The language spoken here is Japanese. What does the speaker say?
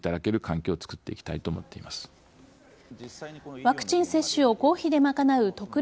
ワクチン接種を公費で賄う特例